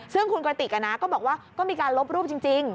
ซึ่งคุณกระติกก็บอกว่าก็มีการลบรูปจริง